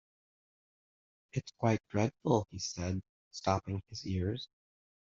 ‘It’s quite dreadful,’ he said, stopping his ears.